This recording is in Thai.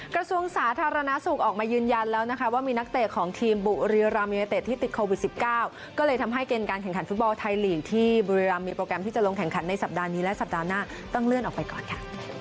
กระทรวงสาธารณสุขออกมายืนยันแล้วนะคะว่ามีนักเตะของทีมบุรีรัมยูเนเต็ดที่ติดโควิด๑๙ก็เลยทำให้เกณฑ์การแข่งขันฟุตบอลไทยลีกที่บุรีรัมมีโปรแกรมที่จะลงแข่งขันในสัปดาห์นี้และสัปดาห์หน้าต้องเลื่อนออกไปก่อนค่ะ